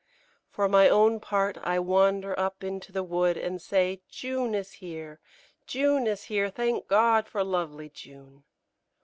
For my own part I wander up into the wood and say, "June is here June is here; thank God for lovely June!"